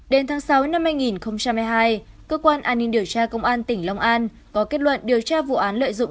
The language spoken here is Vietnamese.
đến tháng sáu năm hai nghìn hai mươi hai cơ quan an ninh điều tra công an tỉnh long an có kết luận điều tra vụ án lợi dụng